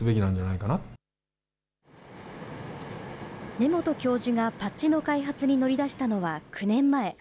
根本教授がパッチの開発に乗り出したのは９年前。